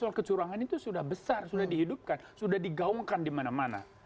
soal kecurangan itu sudah besar sudah dihidupkan sudah digaungkan di mana mana